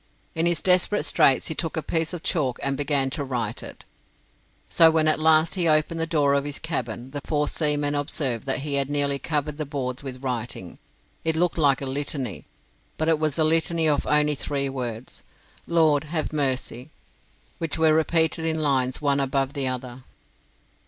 In his desperate straits he took a piece of chalk and began to write it; so when at last he opened the door of his cabin, the four seamen observed that he had nearly covered the boards with writing. It looked like a litany, but it was a litany of only three words "Lord, have mercy" which were repeated in lines one above the other.